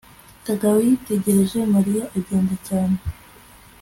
kagabo yitegereje mariya agenda cyane